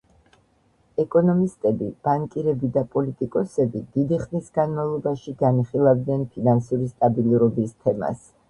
ეკონომისტები, ბანკირები და პოლიტიკოსები დიდი ხნის განმავლობაში განიხილავდნენ ფინანსური სტაბილურობის თემას.